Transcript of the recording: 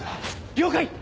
了解！